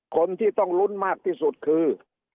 คนที่ต้องลุ้นมากที่สุดคือ